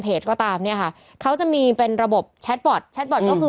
เพื่อไม่ให้เชื้อมันกระจายหรือว่าขยายตัวเพิ่มมากขึ้น